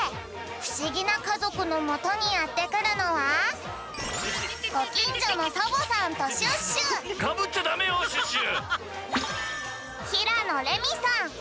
ふしぎなかぞくのもとにやってくるのはかぶっちゃダメよシュッシュ！